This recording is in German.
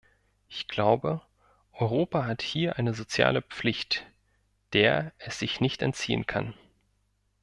Ich glaube, Europa hat hier eine soziale Pflicht, der es sich nicht entziehen kann.